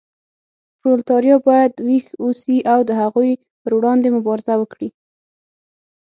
پرولتاریا باید ویښ اوسي او د هغوی پر وړاندې مبارزه وکړي.